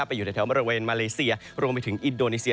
อยู่ในแถวบริเวณมาเลเซียรวมไปถึงอินโดนีเซีย